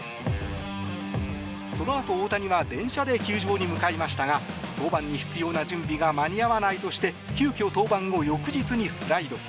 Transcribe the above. そのあと、大谷は電車で球場に向かいましたが登板に必要な準備が間に合わないとして急きょ、登板を翌日にスライド。